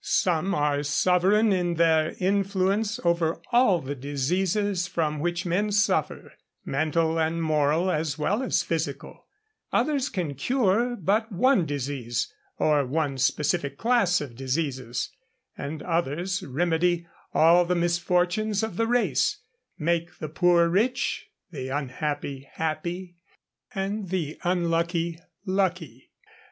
Some are sovereign in their influence over all the diseases from which men suffer, mental and moral as well as physical; others can cure but one disease, or one specific class of diseases; and others remedy all the misfortunes of the race, make the poor rich, the unhappy happy, and the unlucky lucky.